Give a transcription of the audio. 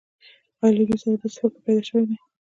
آیا له دوی سره داسې فکر پیدا شوی دی